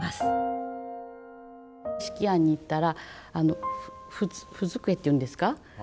子規庵に行ったら文机って言うんですか？